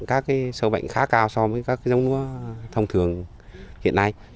cái sâu bệnh khá cao so với các cái giống lúa thông thường hiện nay